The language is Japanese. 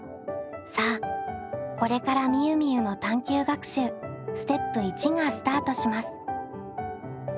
さあこれからみゆみゆの探究学習ステップ①がスタートします。